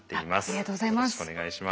ありがとうございます。